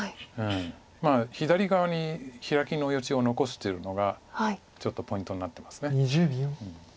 まあ左側にヒラキの余地を残してるのがちょっとポイントになってます。